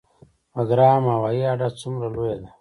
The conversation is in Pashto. بګرام هوایي اډه څومره لویه ده؟